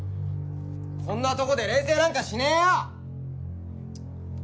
こんなとこで錬成なんかしねえよ！